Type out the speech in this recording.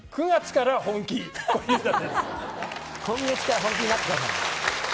今月から本気出してください。